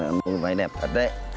ừ mẹ con mua cái váy đẹp thật đấy